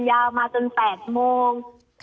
ยาวมาจน๘โมง